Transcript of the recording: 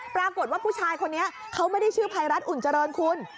ปรากฏว่าผู้ชายคนนี้เขาไม่ได้ชื่อภัยรัฐอุ่นเจริญคุณ